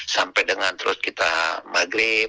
sampai dengan terus kita maghrib